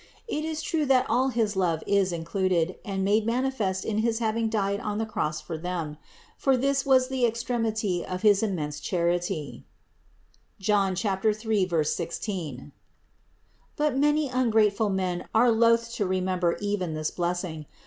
It is true that all his love is included and made manifest in his having died on the Cross for them, for this was the extremity of his immense charity (John 3, 16). But many ungrateful men are loath to remem ber even this blessing.